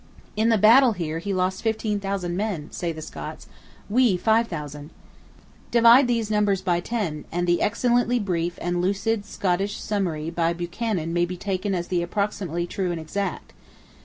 "In the battle here he lost 15,000 men, say the Scots, we 5,000"! Divide these numbers by ten, and the excellently brief and lucid Scottish summary by Buchanan may be taken as the approximately true and exact.